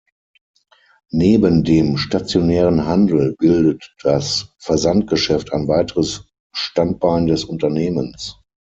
Neben dem stationären Handel bildet das Versandgeschäft ein weiteres Standbein des Unternehmens.